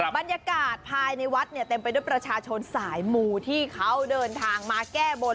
บรรยากาศภายในวัดเนี่ยเต็มไปด้วยประชาชนสายหมู่ที่เขาเดินทางมาแก้บน